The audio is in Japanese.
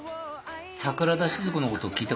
桜田しず子のこと聞いたかい？